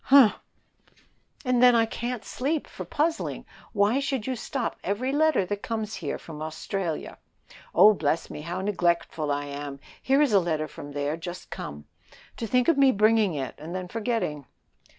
"Humph!" "And then I can't sleep for puzzling. Why should you stop every letter that comes here from Australia. Oh, bless me, how neglectful I am; here is a letter from there, just come. To think of me bringing it, and then forgetting."